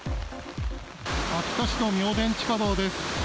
秋田市の明田地下道です。